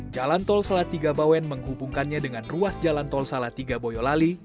jalan tol salatiga bawen menghubungkannya dengan ruas jalan tol salatiga boyolali